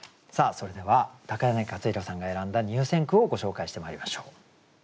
それでは柳克弘さんが選んだ入選句をご紹介してまいりましょう。